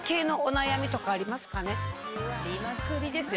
ありまくりですよ！